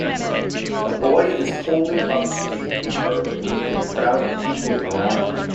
A boy is holding up a paper with a crowd of people around him.